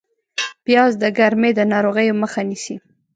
پیاز د ګرمۍ د ناروغیو مخه نیسي